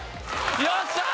よっしゃー！